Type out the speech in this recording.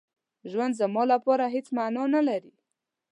ژوند زما لپاره هېڅ مانا نه لري.